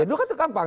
dulu kan itu gampang